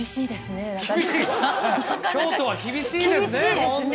京都は厳しいですね